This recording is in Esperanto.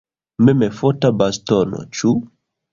Memfota bastono, ĉu?